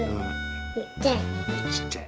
ちっちゃい。